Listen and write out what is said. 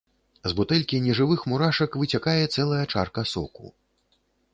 З бутэлькі нежывых мурашак выцякае цэлая чарка соку.